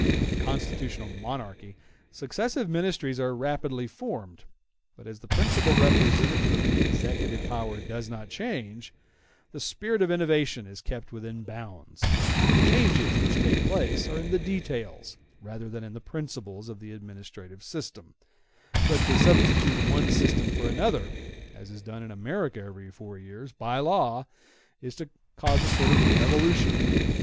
In a constitutional monarchy successive ministries are rapidly formed; but as the principal representative of the executive power does not change, the spirit of innovation is kept within bounds; the changes which take place are in the details rather than in the principles of the administrative system; but to substitute one system for another, as is done in America every four years, by law, is to cause a sort of revolution.